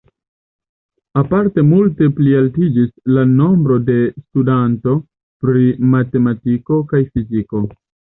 Aparte multe plialtiĝis la nombro de studantoj pri matematiko kaj fiziko.